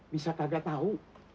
bisa tidak tahu